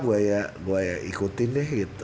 gue ikutin deh gitu